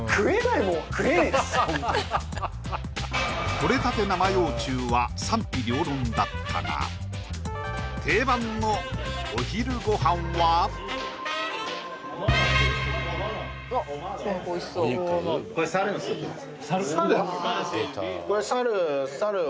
とれたて生幼虫は賛否両論だったが定番のお昼ご飯はのスープです